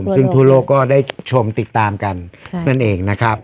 ซึ่งทั่วโลกก็ได้ชมติดตามกันนั่นเองนะครับ